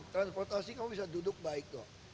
transportasi kamu bisa duduk baik dong